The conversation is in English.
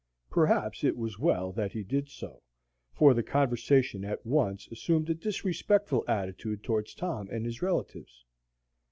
Perhaps it was well that he did so, for the conversation at once assumed a disrespectful attitude toward Tom and his relatives.